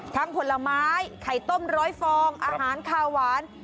ผลไม้ไข่ต้มร้อยฟองอาหารคาหวาน